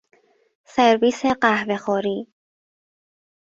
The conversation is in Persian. سرویس قهوهخوری